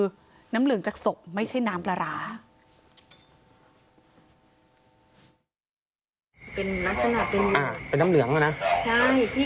คนทำน้ำปราหลานกว่านี้ตรงนี้